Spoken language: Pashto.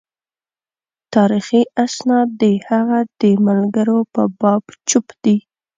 تاریخي اسناد د هغه د ملګرو په باب چوپ دي.